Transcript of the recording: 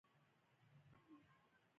سوله د زړونو راشدو او عقل ته وده ورکوي.